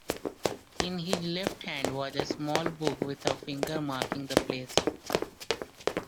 In his left hand was a small book with a finger marking the place.